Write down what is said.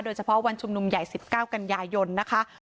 โดยเฉพาะวันชุมนุมใหญ่๑๙กันยายนนะคะ